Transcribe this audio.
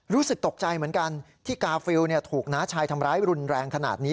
รู้สึกตกใจเหมือนกันที่กาฟิลถูกน้าชายทำร้ายรุนแรงขนาดนี้